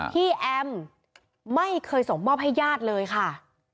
แอมไม่เคยส่งมอบให้ญาติเลยค่ะ